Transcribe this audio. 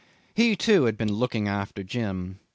He, too, had been looking after Jim.